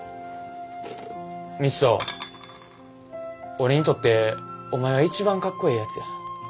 俺にとってお前は一番かっこええやつや。